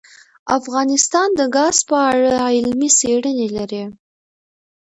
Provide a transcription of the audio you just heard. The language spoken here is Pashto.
افغانستان د ګاز په اړه علمي څېړنې لري.